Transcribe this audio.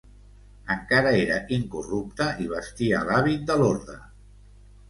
Encara era incorrupte i vestia l'hàbit de l'orde.